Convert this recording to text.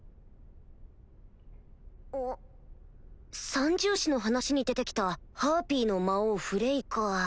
三獣士の話に出てきたハーピィの魔王フレイか